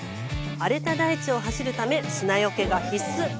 荒れた大地を走るため砂よけが必須。